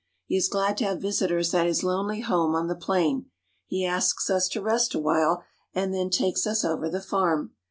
He is glad to have visitors at his lonely home on the plain. He asks us to rest awhile, and then takes us over the farm.